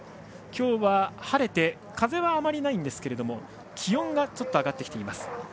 今日は晴れて風はあまりないですが気温が上がっています。